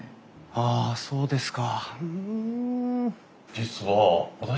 あっそうですか。